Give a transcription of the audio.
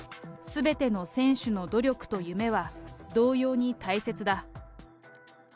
すべての選手の努力と夢は、同様に大切だ。